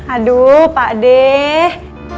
aduh pak deh